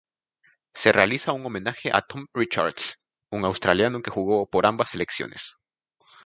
Se realiza en homenaje a Tom Richards, un australiano que jugó por ambas selecciones.